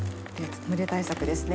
蒸れ対策ですね。